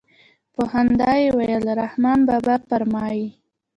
په خندا يې وويل رحمان بابا فرمايي.